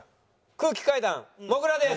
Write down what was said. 空気階段もぐらです。